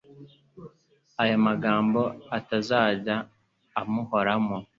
ayo magambo atazajya amuhoramo